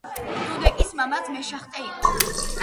დუდეკის მამაც მეშახტე იყო.